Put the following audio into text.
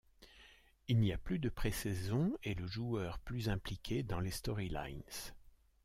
Il n'y plus de pré-saison et le joueur plus impliqué dans les storylines.